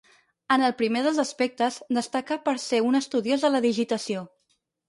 En el primer dels aspectes destaca per ser un estudiós de la digitació.